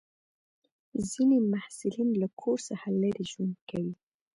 ځینې محصلین له کور څخه لرې ژوند کوي.